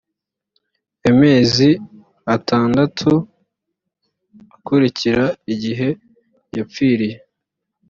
amezi atandatu akurikira igihe yapfiriye